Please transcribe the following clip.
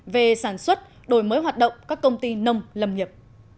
về sản xuất đổi mới hoạt động các công ty nông lâm nghiệp